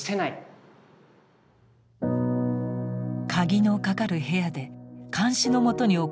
鍵のかかる部屋で監視のもとに行われる礼拝。